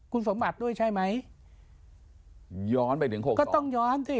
คุณสมบัติด้วยใช่ไหมย้อนไปถึงหกก็ต้องย้อนสิ